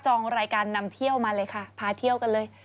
องรายการนำเที่ยวมาเลยค่ะพาเที่ยวกันเลย